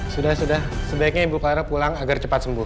sudah sudah sebaiknya ibu clara pulang agar cepat sembuh